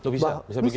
bisa bisa begitu